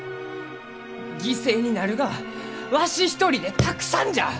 犠牲になるがはわし一人でたくさんじゃ！